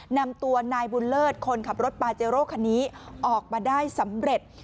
นำตัวนายบุญเลิศคนขับรถปาเจโร่คันนี้ออกมาได้สำเร็จ